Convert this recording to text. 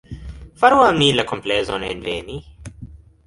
Faru al mi la komplezon enveni.